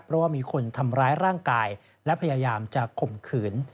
เพราะว่ามีคนทำร้ายร่างกายและพยายามจะข่มขืน